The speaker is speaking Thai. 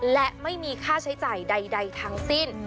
และไม่มีค่าใช้จ่ายใดทั้งสิ้น